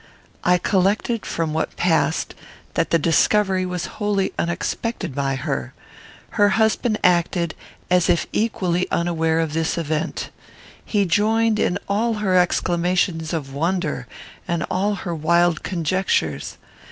I collected from what passed that the discovery was wholly unexpected by her. Her husband acted as if equally unaware of this event. He joined in all her exclamations of wonder and all her wild conjectures.